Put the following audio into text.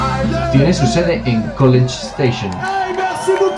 Tiene su sede en College Station.